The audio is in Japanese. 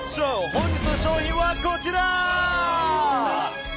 本日の商品はこちら！